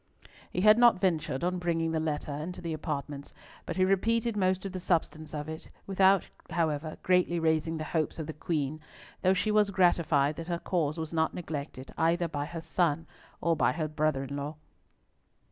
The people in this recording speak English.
He had not ventured on bringing the letter into the apartments, but he repeated most of the substance of it, without, however, greatly raising the hopes of the Queen, though she was gratified that her cause was not neglected either by her son or by her brother in law.